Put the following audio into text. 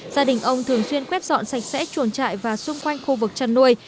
gia đình ông thường xuyên quét dọn sạch sẽ chuồng trại và xung quanh khu vực chăn nuôi